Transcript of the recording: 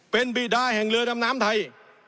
เป็นบีดาแห่งเรือดำน้ำไทย